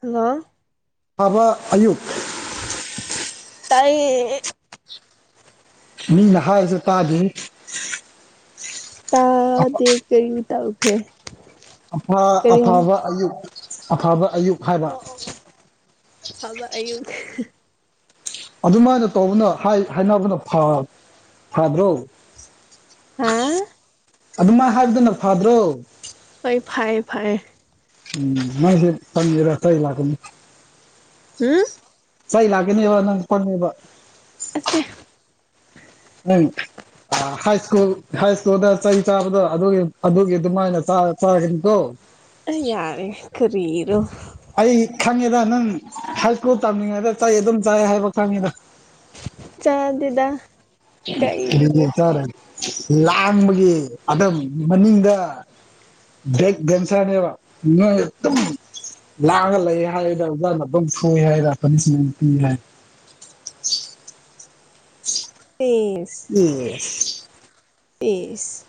hello ꯐꯥꯕ ꯑꯌꯨꯛ ꯇꯥꯏꯌꯦ ꯃꯤꯅ ꯍꯥꯏꯁꯦ ꯇꯥꯗꯦ ꯇꯥꯗꯦ ꯀꯔꯤ ꯇꯧꯈ꯭ꯔꯦ ꯑꯐ ꯀꯔꯤ ꯍꯥꯏ ꯑꯣ ꯑꯐꯕ ꯑꯌꯨꯛ ꯑꯐꯕ ꯑꯌꯨꯛ ꯍꯥꯏꯕ ꯑꯐꯕ ꯑꯌꯨꯛ ꯑꯗꯨꯃꯥꯏꯅ ꯇꯧꯕꯅ ꯍꯥꯏ ꯍꯥꯢꯅꯕꯗꯣ ꯐ ꯐꯗ꯭ꯔꯣ ꯍꯥꯥ ꯑꯗꯨꯃꯥꯏ ꯍꯥꯏꯕꯗꯨꯅ ꯐꯗ꯭ꯔꯣ ꯍꯣꯏ ꯐꯌꯦ ꯐꯌꯦ ꯎꯝ ꯅꯪꯁꯦ ꯇꯟꯗꯦꯗ ꯆꯩ ꯂꯥꯛꯀꯅꯤ ꯍꯝ ꯆꯩ ꯂꯥꯛꯀꯅꯤꯕ ꯅꯪ ꯄꯪꯉꯦꯕ ꯑꯁꯦ ꯅꯩꯛ ꯑꯥ ꯍꯥꯏ ꯁ꯭ꯀꯨꯜ ꯍꯥꯏ ꯁ꯭ꯀꯨꯜꯗ ꯆꯩ ꯆꯥꯕꯗꯣ ꯑꯗꯨꯒꯤ ꯑꯗꯨꯒꯤ ꯑꯗꯨꯃꯥꯏꯅ ꯆꯥ ꯆꯥꯒꯅꯤꯀꯣ ꯑꯪ ꯌꯥꯔꯦ ꯀꯔꯤꯔꯣ ꯑꯩ ꯈꯪꯉꯦꯗ ꯅꯪ ꯍꯥꯏ ꯁ꯭ꯀꯨꯜ ꯇꯝꯂꯤꯉꯩꯗ ꯆꯩ ꯑꯗꯨꯝ ꯆꯥꯏ ꯍꯥꯏꯕ ꯈꯪꯉꯤꯗ ꯆꯥꯗꯦꯗ ꯀꯥꯏꯗꯒꯤ [unintelligible] ꯂꯥꯡꯕꯒꯤ ꯑꯗꯨꯝ ꯃꯅꯤꯡꯗ ꯕꯦꯛ ꯕꯦꯟꯆꯔꯅꯦꯕ ꯅꯣꯢ ꯑꯗꯨꯝ ꯂꯥꯡꯉꯒ ꯂꯩꯌꯦ ꯍꯥꯏꯌꯦꯗ ꯅꯪ ꯑꯗꯨꯝ ꯁꯣꯢ ꯍꯥꯢꯗ [unintelligible] [inaudible] ꯏꯁ ꯢꯁ ꯏꯁ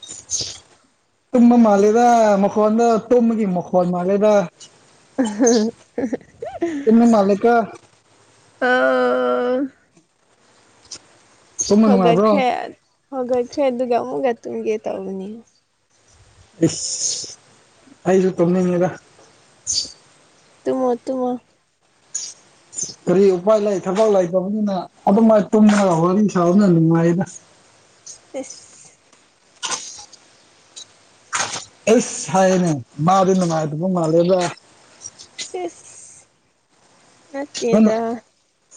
ꯇꯨꯝꯕ ꯃꯥꯜꯂꯦꯗ ꯃꯈꯣꯟꯗꯣ ꯇꯨꯝꯕꯒꯤ ꯃꯈꯣꯟ ꯃꯥꯜꯂꯦꯗ ꯇꯨꯝꯕ ꯃꯥꯜꯂꯦꯀꯣ [unintelligible] ꯑ ꯑ ꯇꯨꯝꯕ ꯅꯨꯡꯉꯥꯏꯕ꯭ꯔꯣ ꯍꯧꯒꯠꯈ꯭ꯔꯦ ꯍꯧꯒꯠꯈ꯭ꯔꯦ ꯑꯗꯨꯒ ꯑꯃꯨꯛꯀ ꯇꯨꯝꯒꯦ ꯇꯧꯕꯅꯤ ꯏꯁ ꯑꯩꯖꯨ ꯇꯨꯝꯅꯤꯡꯉꯦꯗ ꯇꯨꯝꯃꯣ ꯇꯨꯝꯃꯣ [inaudible] ꯀꯔꯤ ꯎꯄꯥꯏ ꯂꯩ ꯊꯕꯛ ꯂꯩꯇꯕꯅꯤꯅ ꯑꯗꯨꯃꯥꯏ ꯇꯨꯝꯃꯒ ꯋꯥꯔꯤ ꯁꯥꯕꯅ ꯅꯨꯡꯉꯥꯏꯗ [inaudible] ꯏꯁ ꯑꯁ ꯍꯥꯏꯌꯦꯅꯦ ꯃꯥꯗꯤ ꯅꯨꯡꯉꯥꯏꯕꯗꯤ ꯃꯥꯜꯂꯦꯗ ꯢꯁ ꯅꯪꯅ ꯅꯠꯇꯦꯗ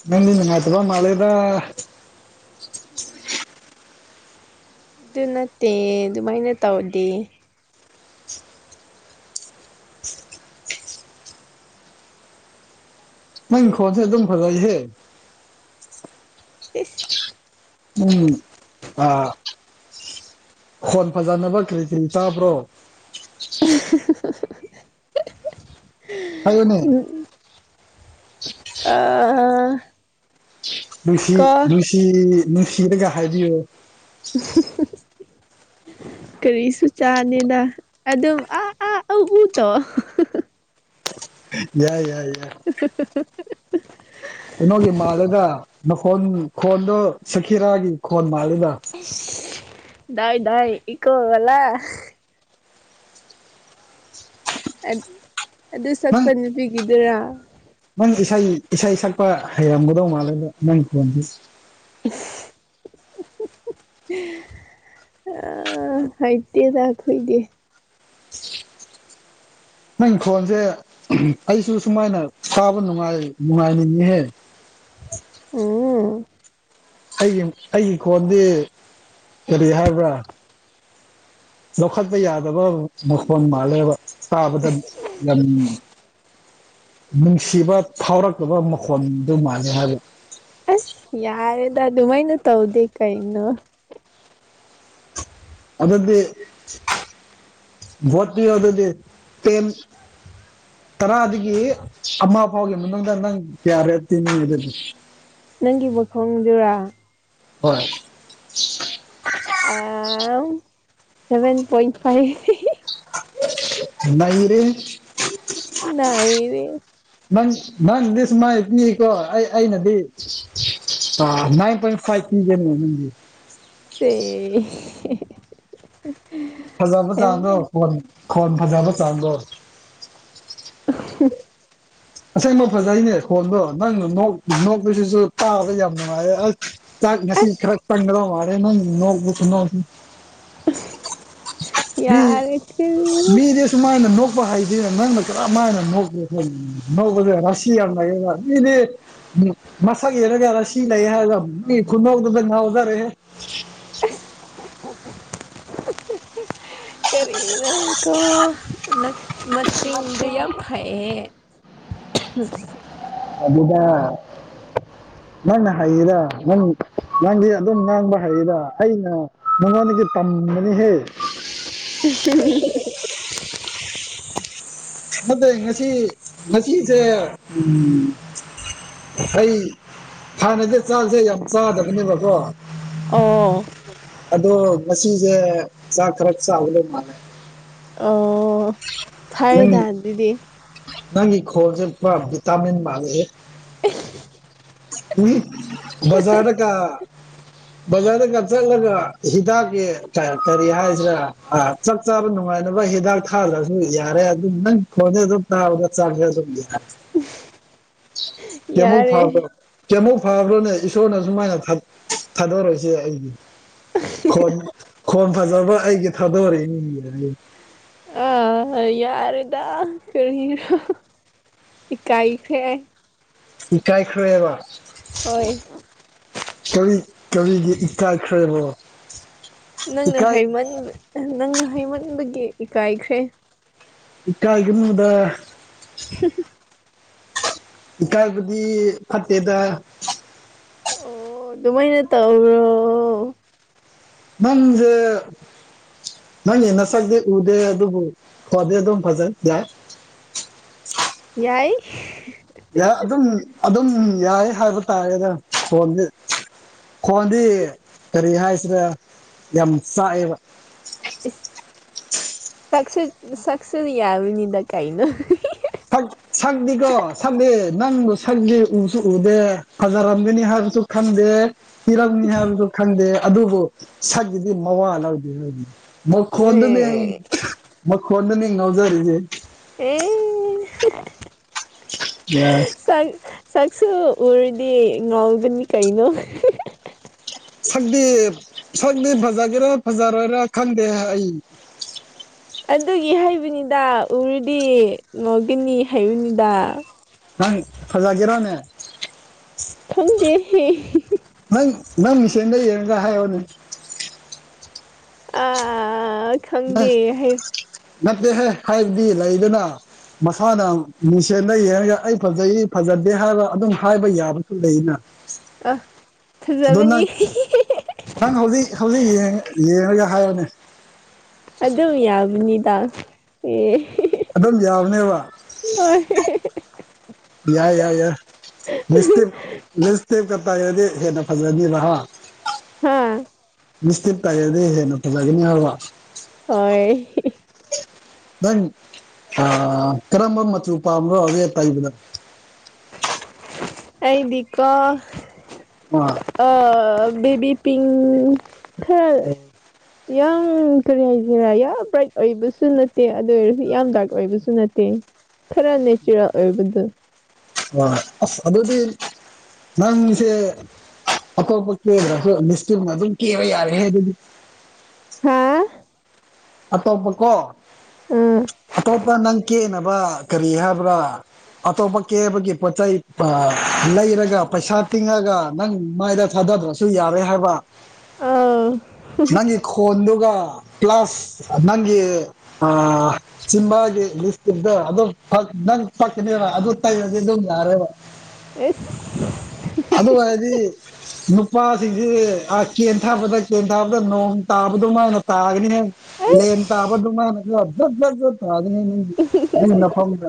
ꯅꯪꯗꯤ ꯅꯨꯡꯉꯥꯏꯇꯕ ꯃꯥꯜꯂꯦꯗ ꯎꯝ ꯑꯗꯨ ꯅꯠꯇꯦ ꯑꯗꯨꯃꯥꯏꯅ ꯇꯧꯗꯦ ꯅꯪ ꯈꯣꯟꯁꯦ ꯑꯗꯨꯝ ꯐꯖꯩꯍꯦ ꯏꯁ ꯎꯝ ꯑꯥ ꯈꯣꯟ ꯐꯖꯅꯕ ꯀ꯭ꯔꯤ ꯀ꯭ꯔꯤ ꯆꯥꯕ꯭ꯔꯣ [unintelligible] ꯍꯥꯏꯌꯨꯅꯦ ꯑꯥ ꯅꯨꯡꯁꯤ ꯀꯣ ꯅꯨꯡꯁꯤ ꯅꯨꯡꯁꯤꯔꯒ ꯍꯥꯏꯕꯤꯌꯣ ꯍꯍ [inaudible] ꯀꯔꯤꯁꯨ ꯆꯥꯅꯤꯅ ꯑꯗꯨꯝ ꯑꯥ ꯑꯥ ꯎ ꯎ ꯇꯣ ꯌꯥꯏ ꯌꯥꯏ ꯌꯥꯏ [inaudible] ꯀꯩꯅꯣꯒꯤ ꯃꯥꯜꯂꯦꯗ ꯅꯈꯣꯟ ꯈꯣꯟꯗꯣ ꯁꯀꯤꯔꯥꯒꯤ ꯈꯣꯟ ꯃꯥꯜꯂ ꯗꯥꯏ ꯗꯥꯏ ꯏ ꯏꯀꯣꯒꯂ ꯑꯗꯨ ꯅꯪ ꯁꯛꯄ ꯅꯨꯄꯤꯒꯤꯗꯨꯔ ꯅꯪ ꯏꯁꯩ ꯏꯁꯩ ꯁꯛꯄ ꯍꯩꯔꯝꯒꯗꯧ ꯃꯥꯜꯂꯦꯗ ꯅꯪ ꯈꯣꯟꯁ [inaudible] ꯑ ꯍꯩꯇꯦꯗ ꯈꯣꯏꯗꯤ ꯅꯪ ꯈꯣꯟꯁꯦ ꯑꯩꯁꯨ ꯁꯨꯃꯥꯏꯅ ꯇꯥꯕꯥ ꯅꯨꯡꯉꯥꯏꯅꯤꯡꯉꯦꯍꯦ ꯎ [inaudible] ꯑꯝ ꯑꯩꯒꯤ ꯑꯩꯒꯤ ꯀꯣꯟꯗꯤ ꯀꯔꯤ ꯍꯥꯏꯕ꯭ꯔꯥ ꯂꯧꯈꯠꯄ ꯌꯥꯗꯕ ꯃꯈꯣꯟ ꯃꯥꯜꯂꯦꯕ ꯇꯥꯕꯗ ꯑꯁ ꯌꯥꯝ ꯅꯨꯡꯁꯤꯕ ꯐꯥꯎꯔꯛꯇꯥꯕ ꯃꯈꯣꯟꯗꯨ ꯃꯥꯜꯂꯦ ꯍꯥꯏꯕ ꯌꯥꯔꯦꯗ ꯑꯗꯨꯃꯥꯏꯅ ꯇꯧꯗꯦ ꯀꯩꯅꯣ ꯑꯗꯨꯗꯤ ꯕꯣꯠ ꯄꯤꯌꯣ ꯑꯗꯨꯗꯤ ꯇꯦꯟ ꯇꯔꯥꯗꯒꯤ ꯑꯃ ꯐꯥꯎꯒꯤ ꯃꯅꯨꯡꯗ ꯅꯪ ꯀꯌꯥꯔꯦ ꯄꯤꯅꯤꯡꯉꯤ ꯑꯗꯨꯗꯤ ꯅꯪꯒꯤ ꯃꯈꯣꯟꯗꯨꯔ ꯍꯣꯏ [unintelligible] ꯑ ꯁꯚꯦꯟ ꯄꯣꯏꯟꯠ ꯐꯥꯏꯚ ꯅꯩꯔꯦꯍꯦ ꯅꯩꯔꯦ ꯅꯪ ꯅꯪꯗꯤ ꯁꯃꯥꯏ ꯄꯤꯀꯣ ꯑꯩ ꯑꯩꯅꯗꯤ ꯇ ꯅꯥꯟꯢ ꯄꯣꯏꯟꯇ ꯐꯥꯏꯚ ꯄꯤꯒꯅꯤ ꯁꯦ [unintelligible] ꯐꯖꯕ ꯆꯥꯡꯗꯣ ꯈꯣꯟ ꯈꯣꯟ ꯐꯖꯕ ꯆꯥꯡꯗꯣ [unintelligible] ꯑꯁꯦꯡꯕ ꯐꯖꯩꯅꯦ ꯈꯣꯟꯗꯣ ꯅꯪ ꯅꯣꯛꯄꯁꯤꯁꯨ ꯇꯥꯕꯗ ꯌꯥꯝ ꯅꯨꯡꯉꯥꯏꯌꯦ ꯑꯁ ꯆꯛ ꯉꯁꯤ ꯑꯁ ꯈꯔ ꯆꯪꯒꯗ ꯃꯥꯟꯂꯦ ꯅꯪꯅ ꯅꯣꯛꯄ ꯈꯨꯅꯣꯛꯇꯨ ꯃꯤ ꯌꯥꯔꯦ ꯀꯔꯤꯅꯣ ꯃꯤꯗꯤ ꯁꯨꯃꯥꯏꯅ ꯅꯣꯛ ꯅꯣꯛꯄ ꯍꯩꯇꯦꯅꯦ ꯅꯪꯅ ꯀꯔꯝ ꯍꯥꯏꯅ ꯅꯣꯛꯄꯔ ꯈꯪꯗꯦ ꯅꯣꯛꯕꯁꯨ ꯔꯁꯤ ꯌꯥꯝ ꯂꯩꯌꯦꯕ ꯃꯤꯗꯤ ꯎꯝ ꯃꯁꯛ ꯌꯦꯔꯒꯦ ꯔꯥꯁꯤ ꯂꯩꯌꯦ ꯍꯥꯏꯕ ꯃꯤ ꯈꯨꯅꯣꯛꯇꯨꯗ ꯉꯥꯎꯖꯔꯦꯍꯦ ꯑꯁ [unintelligible] ꯀꯔꯤꯅꯣꯀꯣ ꯃꯆꯤꯟꯗꯨ ꯌꯥꯝ ꯐꯩꯌꯦ [unintelligible] ꯑꯗꯨꯗ ꯅꯪꯅ ꯍꯩꯗꯥ ꯅꯪ ꯅꯪꯗꯤ ꯑꯗꯨꯝ ꯉꯥꯡꯕ ꯍꯩꯗꯥ ꯑꯩꯅ ꯅꯉꯣꯟꯗꯒꯤ ꯇꯝ ꯕꯅꯤꯍꯦ [unintelligible] ꯐꯠꯇꯦ ꯉꯁꯤ ꯉꯁꯤꯁꯦ ꯑꯩ ꯍꯥꯟꯅꯗꯤ ꯆꯥꯛꯁꯦ ꯌꯥꯝ ꯆꯥꯗꯕꯅꯦꯕꯀꯣ ꯑꯣ ꯑꯗꯣ ꯉꯁꯤꯁꯦ ꯆꯥꯛ ꯈꯔ ꯆꯥꯒꯗꯕ ꯃꯥꯜꯂꯦ ꯑꯣ ꯐꯩꯌꯦꯗ ꯅꯪꯒꯤ ꯑꯥꯗꯨꯗꯤ ꯅꯪꯒꯤ ꯈꯣꯡꯁꯦ ꯄꯨꯔ ꯚꯤꯇꯥꯃꯤꯟ ꯃꯥꯥꯟꯂꯦꯑꯦ [unintelligible] ꯎꯏ ꯕꯖꯥꯔꯗꯒ ꯕꯖꯥꯔꯗꯒ ꯆꯠꯂꯒ ꯍꯤꯗꯥꯛꯀꯤ ꯀꯔꯤ ꯍꯥꯏꯁꯤꯔ ꯆꯥꯛ ꯆꯥꯕ ꯅꯨꯡꯉꯥꯏꯅꯕ ꯅꯕ ꯍꯤꯗꯥꯛ ꯊꯥꯗꯔꯁꯨ ꯌꯥꯔꯦ ꯑꯗꯨꯝ ꯅꯪ ꯈꯣꯟꯗꯨ ꯑꯗꯨꯝ ꯇꯥꯕꯗ ꯆꯥꯛ ꯆꯥꯕ ꯑꯗꯨꯝ ꯌꯥꯔꯦ ꯌꯥꯔꯦ ꯀꯩꯌꯃꯨꯛ ꯐꯕ꯭ꯔꯣꯅꯦ ꯏꯁꯣꯔꯅ ꯁꯨꯃꯥꯏꯅ ꯊꯥꯗꯣꯔꯛꯏꯁꯦ ꯑꯩꯗꯤ ꯈꯣꯟ ꯈꯣꯟ ꯐꯖꯕ ꯑꯩꯒꯤ ꯊꯥꯗꯣꯔꯛꯏꯅꯦ ꯑ ꯌꯥꯔꯦꯗ ꯀꯔꯤꯔꯣ ꯏꯀꯥꯏꯈ꯭ꯔꯦ ꯏꯀꯥꯏ ꯈꯔꯦꯕ ꯍꯣꯏ ꯁꯣꯔꯤ ꯀꯔꯤꯒꯤ ꯏꯀꯥꯢꯈꯔꯕꯣ ꯅꯪꯅ ꯍꯥꯏꯃꯟꯕ ꯅꯪꯅ ꯍꯥꯏꯃꯟꯕꯩꯒꯤ ꯏꯀꯥꯏꯈ꯭ꯔꯦ ꯏꯀꯥꯢꯒꯅꯨꯗ [unintelligible] ꯏꯀꯥꯏꯕꯗꯤ ꯐꯠꯇꯦꯗ ꯑꯣ ꯑꯗꯨꯃꯥꯏꯅ ꯇꯧꯕꯔꯣ ꯅꯪꯖꯦ ꯅꯪꯁꯦ ꯅꯁꯛꯗꯤ ꯎꯗꯦ ꯑꯗꯨꯕꯨ ꯈꯣꯟꯗꯤ ꯑꯗꯨꯝ ꯐꯖꯩ ꯌꯥꯏ [unintelligible] ꯌꯥꯏ ꯌꯥ ꯑꯗꯨꯝ ꯑꯗꯨꯝ ꯌꯥꯏ ꯍꯥꯏꯕ ꯇꯥꯔꯦꯗ ꯈꯣꯟꯗꯤ ꯈꯣꯟꯗꯤ ꯀꯔꯤ ꯍꯥꯏꯁꯤꯔ ꯌꯥꯝ ꯆꯥꯛꯑꯦꯕ ꯢꯁ ꯁꯛ ꯁꯛꯁꯨ ꯌꯥꯕꯅꯤꯗ ꯀꯥꯏꯅꯣ ꯁꯛꯗꯤꯀꯣ ꯁꯛꯗꯦ ꯅꯪꯒꯤ ꯁꯛꯗꯦ ꯎꯁꯨ ꯎꯗꯦ ꯐꯖꯥꯔꯝꯒꯅꯤ ꯍꯥꯏꯕ ꯑꯃꯁꯨ ꯈꯟꯗꯦ ꯊꯤꯔꯝꯅꯤ ꯍꯥꯏꯕꯁꯨ ꯈꯪꯗꯦ ꯑꯗꯨꯕꯨ ꯁꯛꯒꯤꯗꯤ ꯃꯋꯥ ꯂꯧꯗꯦ ꯑꯩꯗꯤ ꯃꯈꯣꯟꯗꯨꯅꯦ ꯑꯩ ꯑꯦ ꯃꯈꯣꯟꯗꯨꯅꯤ ꯑꯩꯅ ꯉꯥꯎꯖꯔꯤꯁꯦ ꯑꯦ ꯁꯥꯛ ꯁꯥꯛꯁꯨ ꯎꯔꯗꯤ ꯉꯥꯎꯒꯅꯤ ꯀꯩꯅꯣ ꯁꯛꯇꯤ ꯁꯛꯇꯤ ꯐꯖꯒꯦꯔꯥ ꯐꯖꯔꯣꯏꯔꯥ ꯈꯪꯗꯦ ꯑꯩ ꯑꯗꯨꯒꯤ ꯍꯩꯕꯅꯤꯗ ꯎꯔꯨꯗꯤ ꯉꯥꯎꯒꯅꯤ ꯍꯩꯕꯅꯤꯗ ꯅꯪ ꯐꯖꯥꯀꯦꯔꯅꯦ ꯈꯪꯗꯦ ꯅꯪ ꯅꯪ ꯃꯤꯁꯦꯟꯗ ꯌꯦꯡꯒ ꯍꯥꯏꯌꯣꯅꯦ ꯑꯥ ꯅꯪ ꯈꯪꯗꯦ ꯍꯥꯏ ꯅꯠꯇꯦꯍꯦ ꯍꯥꯏꯕꯗꯤ ꯂꯩꯗꯅ ꯃꯁꯥꯅ ꯃꯤꯡꯁꯦꯟ ꯌꯦꯡꯉꯒ ꯑꯩ ꯐꯖꯩ ꯐꯖꯗꯦ ꯍꯥꯏꯔꯒ ꯑꯗꯨꯝ ꯍꯥꯏꯕ ꯌꯥꯕꯁꯨ ꯂꯩꯅ ꯑ ꯑꯗꯣ ꯐꯖꯕꯅꯤ ꯅꯪ ꯅꯪ ꯍꯧꯖꯤꯛ ꯍꯧꯖꯤꯛ ꯌꯦꯡꯔꯒ ꯍꯥꯏꯔꯣꯅꯦ ꯑꯗꯨꯝ ꯌꯥꯕꯅꯤꯗ ꯑꯦ ꯑꯗꯨꯝ ꯌꯥꯕꯅꯦꯕ ꯍꯣꯏ ꯌꯥꯏ ꯌꯥꯏ ꯌꯥꯏ ꯂꯤꯁꯇꯤꯞ ꯂꯤꯁ [unintelligible] ꯇꯩꯔꯗꯤ ꯍꯦꯟꯅ ꯐꯖꯅꯤꯕ ꯍꯥ ꯍꯥꯥ ꯂꯤꯞꯇꯤꯞ ꯇꯩꯔꯗꯤ ꯍꯦꯟꯅ ꯐꯖꯒꯅꯤ ꯍꯥꯏꯕ ꯍꯣꯏ ꯅꯪ ꯑ ꯀꯔꯝꯕ ꯃꯆꯨ ꯄꯥꯝꯕꯔꯣ ꯔꯦꯗ ꯇꯩꯕꯗ ꯑꯩꯗꯤꯀꯣ ꯑꯥ ꯑ ꯕꯤꯕꯤ ꯄꯤꯡ ꯈꯔꯥ ꯌꯥꯝ ꯀꯔꯤ ꯍꯥꯏꯒꯦꯔꯥ ꯌꯥꯝ ꯕ꯭ꯔꯥꯏꯠ ꯑꯣꯏꯕꯁꯨ ꯅꯠꯇꯦ ꯑꯗꯨ ꯑꯣꯏꯔꯁꯨ ꯌꯥꯝ ꯗꯥꯔꯛ ꯑꯣꯏꯕꯁꯨ ꯅꯠꯇꯦ ꯈꯔ ꯅꯦꯆ꯭ꯔꯔꯦꯜ ꯑꯣꯏꯕꯗꯨ ꯑꯥ ꯑꯁ ꯑꯗꯨꯗꯤ ꯅꯪꯁꯦ ꯑꯇꯣꯞꯄ ꯀꯗꯔꯁꯨ ꯂꯤꯐꯁꯇꯤꯛ ꯑꯃꯥ ꯑꯗꯨꯝ ꯀꯦꯕ ꯌꯥꯔꯦꯍꯦ ꯑꯗꯨꯗꯤ ꯍꯥꯥ ꯑꯇꯣꯞꯄ ꯀꯣ ꯑꯇꯣꯞꯄ ꯅꯪ ꯀꯦꯅꯕ ꯀꯔꯤ ꯍꯥꯏꯕ꯭ꯔꯥ ꯑꯇꯣꯞꯄ ꯀꯦꯕꯒꯤ ꯄꯣꯠ ꯆꯩꯩ ꯂꯩꯔꯒ ꯄꯩꯁꯥ ꯇꯤꯡꯉꯒ ꯅꯪ ꯃꯥꯏꯗ ꯊꯥꯗ ꯗ꯭ꯔꯁꯨ ꯌꯥꯔꯦ ꯍꯥꯏꯕ ꯑꯥꯎ ꯅꯪꯒꯤ ꯈꯣꯟꯗꯨꯒ ꯄ꯭ꯂꯁ ꯅꯪꯒꯤ ꯑꯥ ꯆꯤꯝꯕꯥꯜꯒꯤ ꯂꯤꯞꯐꯁꯇꯤꯛꯇ ꯑꯗꯨꯝ ꯄꯛ ꯅꯪ ꯄꯛꯀꯅꯤꯗ ꯑꯗꯨ ꯇꯩꯔꯗꯤ ꯑꯗꯨꯝ ꯌꯥꯔꯦꯕ ꯢꯁ [unintelligible] ꯅꯨꯄꯥꯁꯤꯡꯁꯦ ꯑꯥ ꯀꯦꯊꯥꯕꯗ ꯀꯦꯟꯊꯕꯗꯥ ꯅꯣꯡ ꯇꯥꯕ ꯗꯨꯃꯥꯏ ꯇꯥꯒꯅꯤꯍꯦ ꯂꯦꯟ ꯑꯩꯁ ꯇꯕꯗꯨꯃꯥꯢꯅꯥꯁꯨ ꯖꯠ ꯖꯠ ꯖꯠ ꯇꯥꯒꯅꯤ [unintelligible] ꯑꯩꯅ ꯅꯈꯣꯡꯗꯥ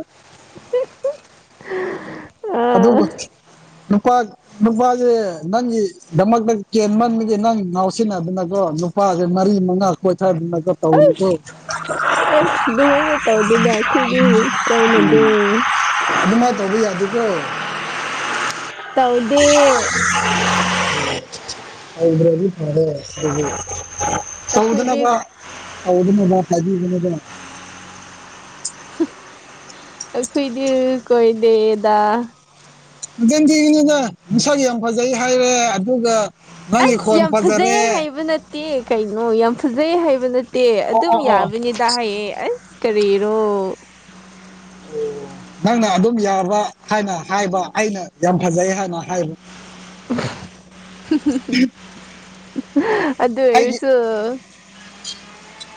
ꯑꯥ ꯑꯗꯨꯒ [unintelligible] ꯅꯨꯄꯥ ꯅꯨꯄꯥꯁꯦ ꯅꯪꯒꯤꯗꯃꯛꯇ ꯀꯦꯟꯃꯟꯕꯒꯤ ꯅꯪ ꯉꯥꯎꯁꯤꯟꯅꯥꯗꯅꯀꯣ ꯅꯨꯄꯥ ꯅꯨꯄꯥꯥꯁꯦ ꯃꯔꯤ ꯃꯉꯥ ꯀꯣꯏꯊꯥꯗꯅꯒ ꯇꯧꯔꯤꯗꯣ ꯑꯁ ꯗꯨꯃꯥꯏꯅ ꯇꯧꯗꯦꯗ ꯑꯩꯈꯣꯏꯗꯤ ꯀꯣꯏꯅꯗꯦ ꯑꯗꯨꯃꯥꯏꯅ ꯇꯧꯕ ꯌꯥꯗꯦꯀꯣ ꯇꯧꯗꯦ ꯇꯧꯗꯔꯥꯗꯤ ꯐꯔꯦ ꯑꯗꯨꯕꯨ ꯇꯧꯗꯅꯕ ꯑꯩꯈꯣꯏꯗꯤ ꯇꯧꯗꯅꯕ ꯍꯥꯏꯕꯤꯕꯅꯦꯕꯥ ꯍꯨꯝ ꯑꯩꯈꯣꯏꯗꯤ ꯀꯣꯏꯗꯦꯗꯥ ꯅꯆꯤꯟ ꯊꯤꯒꯅꯨꯗ ꯅꯁꯛ ꯌꯥꯝ ꯐꯖꯩ ꯍꯥꯏꯔꯦ ꯑꯗꯨꯒ ꯅꯪꯒꯤ ꯑꯁ ꯈꯣꯟ ꯌꯥꯝ ꯐꯥꯖꯩꯌꯦ ꯐꯖꯔꯦ ꯍꯥꯏꯕ ꯅꯠꯇꯦ ꯀꯩꯅꯣ ꯌꯥꯝ ꯐꯖꯩ ꯍꯥꯏꯕ ꯅꯠꯇꯦ ꯑꯣ ꯑꯗꯨꯝ ꯑꯣ ꯌꯥꯝ ꯑꯣ ꯕꯤꯅꯤꯇꯥ ꯍꯥꯏꯌꯦ ꯑꯁ ꯀꯥꯔꯤꯔꯣ ꯑꯣ ꯅꯪꯅ ꯑꯗꯨꯝ ꯌꯥꯕ ꯍꯥꯏꯅ ꯍꯥꯏꯕ ꯑꯩꯅ ꯌꯥꯝ ꯐꯖꯩ ꯍꯥꯏꯅ ꯍꯥꯏꯕ [unintelligible] ꯑꯗꯨ ꯑꯩꯒꯤ ꯑꯣꯏꯔꯁꯨ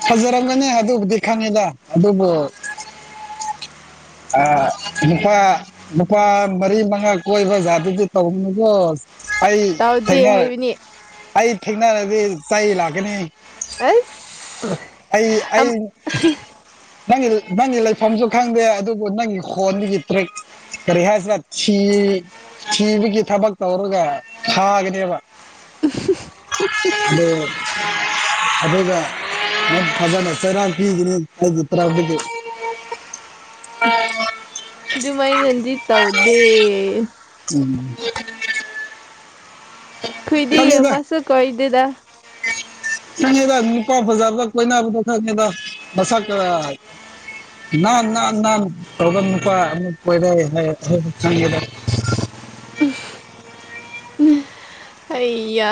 ꯐꯖꯔꯝꯒꯅꯤ ꯑꯗꯨꯕꯨꯗꯤ ꯈꯪꯉꯦꯗ ꯑꯗꯨꯕꯨ [inaudible] ꯑꯥ ꯅꯨꯄꯥ ꯅꯨꯄꯥ ꯃꯔꯤ ꯃꯉꯥ ꯀꯣꯏꯕ ꯖꯥꯠꯇꯨꯗꯤ ꯇꯧꯅꯨꯀꯣ ꯑꯩ ꯇꯧꯗꯦ ꯊꯦꯡꯅꯔ ꯍꯥꯏꯕꯅꯤ ꯑꯩ ꯊꯦꯡꯅꯔꯗꯤ ꯆꯩ ꯂꯥꯛꯀꯅꯤ ꯑꯁ ꯑꯩ ꯑꯩ ꯑꯝ ꯅꯪꯒꯤ ꯅꯪꯒꯤ ꯂꯩꯐꯝꯁꯨ ꯈꯪꯗꯦ ꯑꯗꯨꯕꯨ ꯅꯪꯒꯤ ꯈꯣꯟꯗꯒꯤ ꯇ꯭ꯔꯦꯛ ꯀꯔꯤ ꯍꯥꯏꯁꯤꯔ ꯊꯤ ꯊꯤꯕꯒꯤ ꯊꯕꯛ ꯇꯧꯔꯒ ꯊꯥꯒꯅꯦꯕ ꯑꯗꯣ ꯑꯗꯨꯒ ꯅꯪ ꯐꯖꯅ ꯆꯩꯔꯛ ꯄꯤꯒꯅꯤ ꯑꯩꯒꯤ ꯇꯔꯞꯇꯒꯤ ꯗꯨꯃꯥꯏ ꯅꯗꯤ ꯇꯧꯗꯦ ꯎꯝ ꯑꯩꯈꯣꯏꯗꯤꯃꯁꯨ ꯀꯣꯏꯗꯦꯗ ꯈꯪꯉꯤꯗ ꯅꯨꯄꯥ ꯐꯖꯥꯗ ꯀꯣꯏꯅꯗꯣ ꯈꯪꯉꯤꯗ ꯃꯁꯛ ꯀ ꯅꯟ ꯅꯟ ꯅꯟ ꯇꯧꯔꯒ ꯅꯨꯄ ꯑꯃꯨꯛ ꯀꯣꯏꯔꯦꯍꯥꯏ ꯎ [unintelligible] ꯑꯩꯌꯥ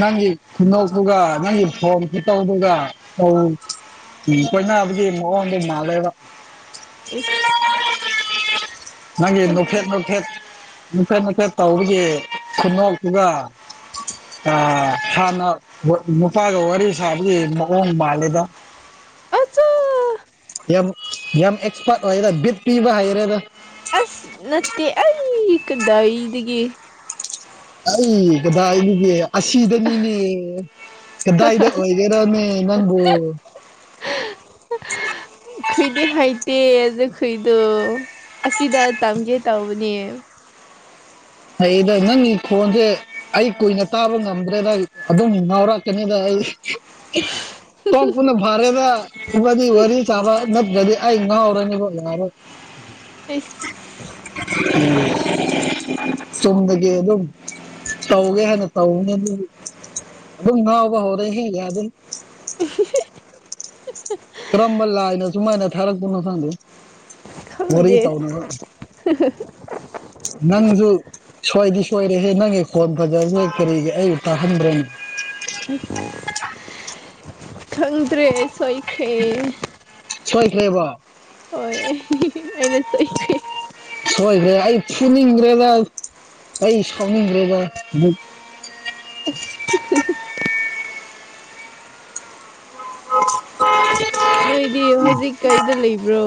ꯅꯪꯒꯤ ꯈꯨꯅꯣꯛꯇꯨꯒ ꯅꯪꯒꯤ ꯐꯣꯟ ꯈꯨꯇꯧꯗꯨꯒ ꯇꯧ ꯀꯣꯏꯅꯕꯒꯤ ꯃꯑꯣꯡꯗꯤ ꯃꯥꯂꯦꯕ ꯏꯁ ꯅꯒꯤ ꯅꯣꯛꯐꯦꯠ ꯅꯣꯛꯐꯦꯠ ꯅꯣꯛꯐꯦꯠ ꯅꯣꯛꯐꯦꯠꯇꯧꯕꯒꯤ ꯈꯨꯅꯣꯛꯇꯨꯒ ꯑ ꯍꯥꯟꯅ ꯅꯨꯄꯥꯒ ꯋꯥꯔꯤ ꯁꯥꯕꯒꯤ ꯃꯑꯣꯡ ꯃꯥꯜꯂꯤꯗ ꯑꯆꯥ ꯌꯥꯝ ꯌꯥꯝ ꯑꯦꯛꯁꯄꯥꯔꯠ ꯑꯣꯏꯔꯦꯗ ꯕꯤꯠ ꯄꯤꯕ ꯍꯩꯔꯦꯗ ꯑꯁ ꯅꯠꯇꯦ ꯑꯩ ꯀꯗꯥꯏꯗꯒꯤ ꯑꯩ ꯀꯗꯥꯏꯗꯒꯤ ꯑꯁꯤꯗꯅꯤꯅꯦ ꯀꯗꯥꯏꯗ ꯑꯣꯏꯒꯦꯔꯅꯦ ꯅꯪꯕꯨ [inaudible] ꯈꯣꯏꯗꯤ ꯍꯥꯏꯇꯦ ꯑꯗꯨ ꯀꯩꯗꯣ ꯑꯁꯤꯗ ꯇꯝꯒꯦ ꯇꯧꯕꯅꯦ ꯍꯩꯗ ꯅꯪꯒꯤ ꯈꯣꯟꯁꯦ ꯑꯩ ꯀꯨꯏꯅ ꯇꯥꯕ ꯉꯝꯗ꯭ꯔꯦꯗ ꯑꯗꯨꯝ ꯉꯥꯎꯔꯛꯀꯅꯤꯗ ꯑꯩ ꯇꯣꯛꯄꯅ ꯐꯔꯦꯗ ꯏꯕꯅꯤ ꯋꯥꯔꯤ ꯁꯥꯕ ꯅꯠꯇ꯭ꯔꯥꯗꯤ ꯑꯩ ꯉꯎꯔꯅꯤꯕ ꯌꯔꯔꯣꯏ ꯑꯁ ꯎꯝ ꯆꯨꯝꯗꯒꯤ ꯑꯗꯨꯝ ꯇꯧꯒꯦ ꯍꯥꯏꯅ ꯇꯧꯕꯅꯦ ꯑꯗꯨ ꯨꯑꯗꯨꯝ ꯉꯥꯎꯕ ꯍꯧꯔꯦꯍꯦ ꯌꯗꯦ ꯎ [unintelligible] ꯀꯔꯝꯕ ꯂꯥꯏꯅ ꯁꯨꯨꯃꯥꯏꯅ ꯊꯥꯔꯛ ꯄꯅꯣ ꯈꯪꯗꯦꯍꯦ ꯋꯥꯔꯤ ꯈꯪꯗꯦ ꯇꯧꯅꯔꯣ ꯅꯪꯖꯨ ꯁꯣꯏꯗꯤ ꯁꯣꯏꯔꯦꯍꯦ ꯅꯪꯒꯤ ꯈꯣꯟ ꯐꯖꯕꯁꯦ ꯀꯔꯤꯒꯤ ꯑꯩꯕꯨ ꯇꯥꯍꯟꯕꯔꯅꯦ ꯑꯁ ꯈꯪꯗ꯭ꯔꯦ ꯑꯩ ꯁꯣꯏꯈ꯭ꯔꯦ ꯁꯣꯏꯈ꯭ꯔꯦꯕꯥ ꯍꯣꯏ ꯑꯩꯅ ꯁꯣꯏꯈ꯭ꯔꯦ ꯁꯣꯏꯈ꯭ꯔꯦ ꯑꯩ ꯐꯨꯅꯤꯡꯈꯔꯦꯗ ꯑꯩ ꯁꯥꯎꯅꯤꯡꯈꯔꯦꯗ ꯑꯃꯨꯛ ꯑꯪ ꯅꯣꯏꯗꯤ ꯍꯧꯖꯤꯛ ꯀꯩꯗ ꯂꯩꯕ꯭ꯔꯣ